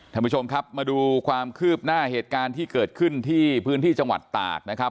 ท่านผู้ชมครับมาดูความคืบหน้าเหตุการณ์ที่เกิดขึ้นที่พื้นที่จังหวัดตากนะครับ